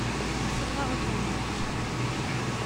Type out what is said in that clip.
Il faudra retourner.